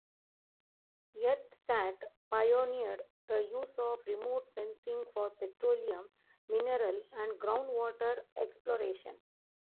EarthSat pioneered the use of remote sensing for petroleum, mineral and groundwater exploration.